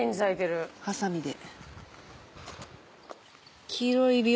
はさみで。